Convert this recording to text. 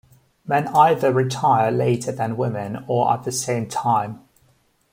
Men either retire later than women or at the same time.